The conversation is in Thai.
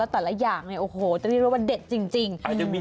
แต่ละอย่างเนี่ยโอ้โหนี่ว่าเดะจริง